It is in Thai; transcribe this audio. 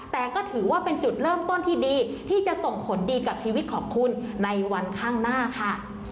แต่ก็ถือว่าเป็นจุดเริ่มต้นที่ดีที่จะส่งผลดีกับชีวิตของคุณในวันข้างหน้าค่ะ